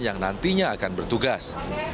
yang nantinya akan bertugas